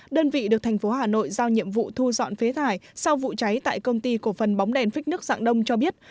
đơn vị được thành phố hà nội giao nhiệm vụ thu dọn phế thải sau vụ cháy tại công ty cổ phần bóng đèn phích nước dạng đông cho biết